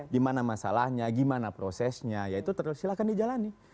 gimana masalahnya gimana prosesnya ya itu silahkan dijalani